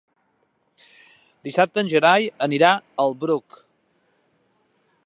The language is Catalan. Dissabte en Gerai anirà al Bruc.